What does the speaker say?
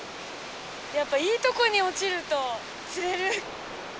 やっぱいいとこに落ちると釣れる。